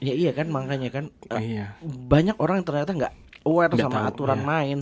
iya iya kan makanya kan banyak orang yang ternyata gak aware sama aturan main